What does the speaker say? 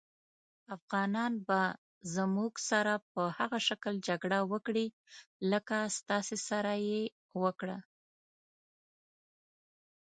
افغانان به زموږ سره په هغه شکل جګړه وکړي لکه ستاسې سره یې وکړه.